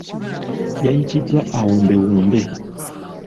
Yayitiddwa awumbewumbe.